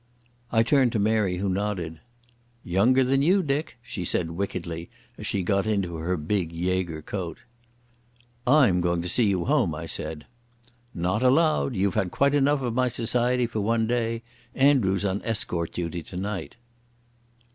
I turned to Mary, who nodded. "Younger than you, Dick," she said wickedly as she got into her big Jaeger coat. "I'm going to see you home," I said. "Not allowed. You've had quite enough of my society for one day. Andrew's on escort duty tonight."